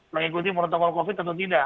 mengikuti protokol covid atau tidak